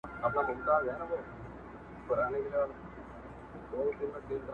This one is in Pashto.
له کابله تر بنګاله یې وطن وو!!